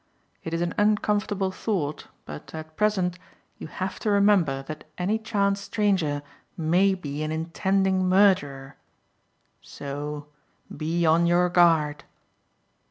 It is an uncomfortable thought, but at present, you have to remember that any chance stranger may be an intending murderer. So be on your guard."